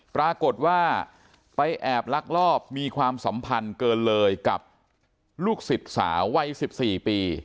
ปรากฏว่าไปแอบลักลอบมีความสัมพันธ์เกินเลยกับลูกศิษย์สาววัย๑๔ปี